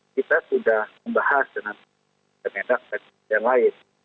kita sudah membahas dengan pemandangan yang lain